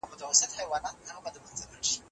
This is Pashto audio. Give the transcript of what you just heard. سوسياليستي فکر په فطرت برابر نه دی.